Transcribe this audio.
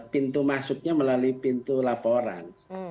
pintu masuknya melalui pintu laporan